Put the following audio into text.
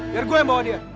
biar gua yang bawa dia